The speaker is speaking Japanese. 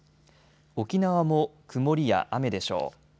沖縄も曇りや雨でしょう。